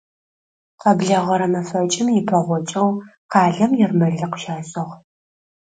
Къэблэгъэрэ мэфэкӀым ипэгъокӀэу къалэм ермэлыкъ щашӀыгъ.